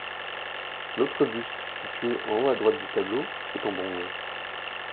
L’autre buste, situé en haut à droite du tableau, est en bronze.